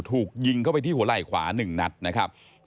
ถูกยิงเข้าไปที่หัวไหล่ขวา๑นัดนะครับ